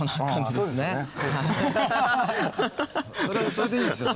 それでいいんですよ。